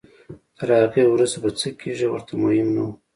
تر هغې وروسته به څه کېږي ورته مهم نه وو.